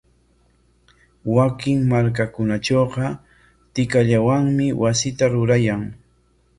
Wakin markakunatrawqa tikallawanmi wasita rurayan.